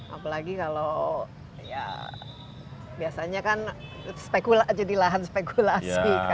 apalagi kalau ya biasanya kan jadi lahan spekulasi